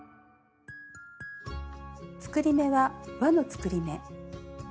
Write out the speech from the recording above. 作り目は「わの作り目」。